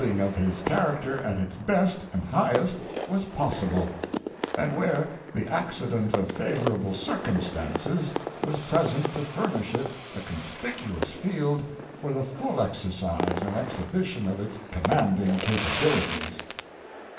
615 ing of his character at its best and highest was possible, and where the accident of favorable circumstances was present to furnish it a conspicuous field for the full exercise and exhibition of its commanding capabilities.